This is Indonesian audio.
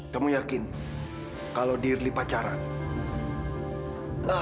kamu yakin kalau dearly pacaran